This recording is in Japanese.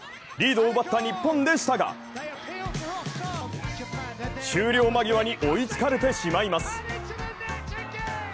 リードを奪った日本でしたが終了間際に追いつかれてしまいます。